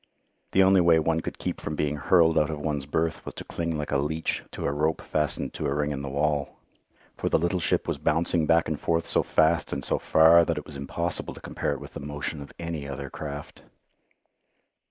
The only way one could keep from being hurled out of one's berth was to cling like a leech to a rope fastened to a ring in the wall, for the little ship was bouncing back and forth so fast and so far that it was impossible to compare it with the motion of any other craft.